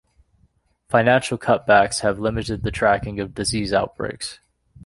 Financial cutbacks have limited the tracking of disease outbreaks.